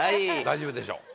大丈夫でしょ。